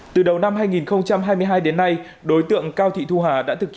từ đầu năm hai nghìn hai mươi hai đến nay đối tượng cao thị thu hà đã thực hiện một trường hợp